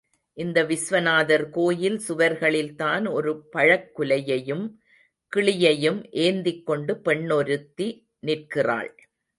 இந்த விஸ்வநாதர் கோயில் சுவர்களில்தான் ஒரு பழக் குலையையும், கிளியையும் ஏந்திக் கொண்டு பெண்ணொருத்தி நிற்கிறாள்.